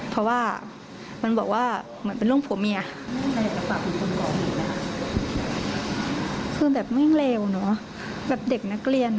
เพราะว่ามันบอกว่าเหมือนเป็นเรื่องผัวเมีย